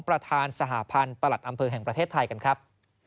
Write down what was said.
ประธานสหพันธ์ประหลัดอำเภอแห่งประเทศไทยกันครับ